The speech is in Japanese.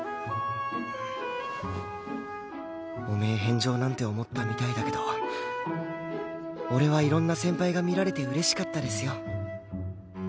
汚名返上なんて思ったみたいだけど俺はいろんな先輩が見られて嬉しかったですよ